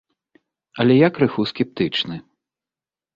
Але я крыху скептычны.